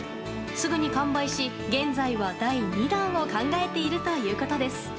すぐに完売し、現在は第２弾を考えているということです。